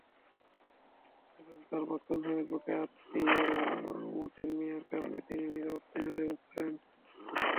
এখন তাঁর প্রাক্তন স্বামীর পক্ষের আত্মীয় মতিন মিয়ার কারণে তিনি নিরাপত্তাহীনতায় ভুগছেন।